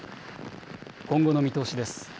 今後の見通しです。